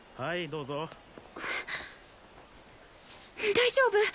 大丈夫？